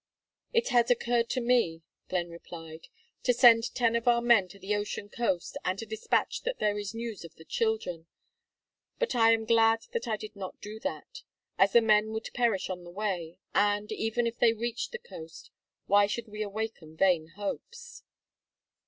"It had occurred to me," Glenn replied, "to send ten of our men to the ocean coast with a despatch that there is news of the children. But I am glad that I did not do that, as the men would perish on the way, and, even if they reached the coast, why should we awaken vain hopes?"